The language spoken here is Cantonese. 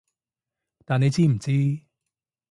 但你知唔知